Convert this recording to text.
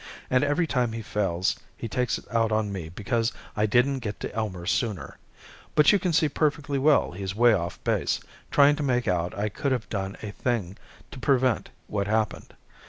And every time he fails he takes it out on me because I didn't get to Elmer sooner. But you can see perfectly well he's way off base, trying to make out I could have done a thing to prevent what happened.